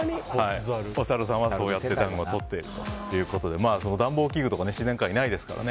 おサルさんはそうやって暖をとっているということで暖房器具とか自然界にはないですからね。